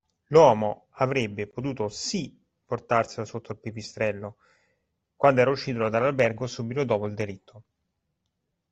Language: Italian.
L'uomo avrebbe potuto, sì, portarselo sotto il pipistrello, quando era uscito dall'albergo subito dopo il delitto.